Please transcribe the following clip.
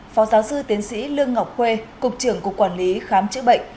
phó giáo sư tiến sĩ lương ngọc khuê cục trưởng cục quản lý khám chữa bệnh